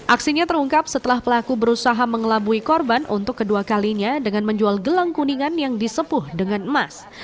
aksinya terungkap setelah pelaku berusaha mengelabui korban untuk kedua kalinya dengan menjual gelang kuningan yang disepuh dengan emas